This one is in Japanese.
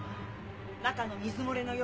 中の水漏れの様子。